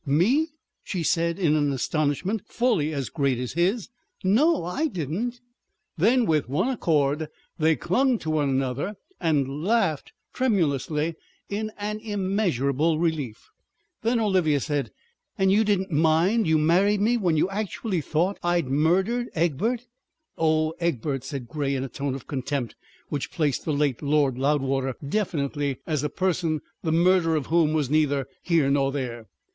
"Me?" she said in an astonishment fully as great as his. "No, I didn't." Then with one accord they clung to one another and laughed tremulously in an immeasurable relief. Then Olivia said: "And you didn't mind? You married me when you actually thought I'd murdered Egbert?" "Oh, Egbert!" said Grey in a tone of contempt which placed the late Lord Loudwater definitely as a person the murder of whom was neither here nor there.